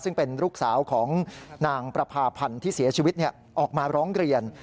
ซึ่งเป็นลูกสาวของนางประพาพันธ์ที่เสียชีวิตออกมาร้องเรียน